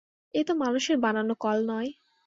এ তো মানুষের বানানো কল নয়।